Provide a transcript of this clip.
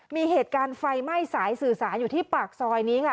มีเหตุการณ์ไฟไหม้สายสื่อสารอยู่ที่ปากซอยนี้ค่ะ